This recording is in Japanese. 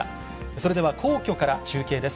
それでは皇居から中継です。